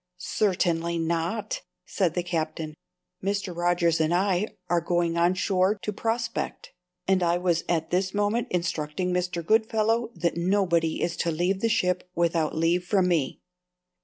"Certainly not," said the Captain. "Mr. Rogers and I are going on shore to prospect, and I was at this moment instructing Mr. Goodfellow that nobody is to leave the ship without leave from me."